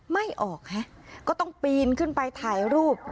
ไม่ออกฮะก็ต้องปีนขึ้นไปถ่ายรูป